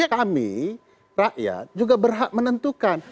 kami rakyat juga berhak menentukan